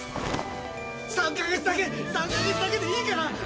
３か月だけでいいから！